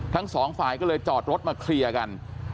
ทั้งสองฝ่ายก็เลยจอดรถมาเคลียร์กัน